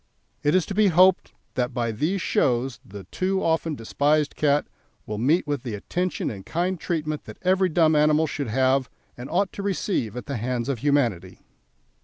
It is to be hoped that by these shows the too often despised cat will meet with the attention and kind treatment that every dumb animal should have and ought to receive at the hands of humanity.